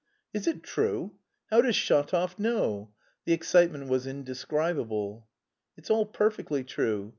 "Is it true? How does Shatov know?" The excitement was indescribable. "It's all perfectly true.